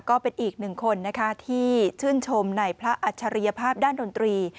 ก็เป็นอีกหนึ่งคนนะคะที่ชื่นชมในพระอัจฉริยภาพด้านดนตรี